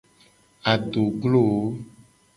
Adoglowo.